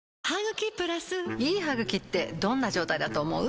いい歯ぐきってどんな状態だと思う？